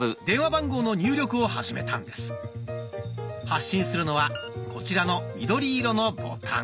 発信するのはこちらの緑色のボタン。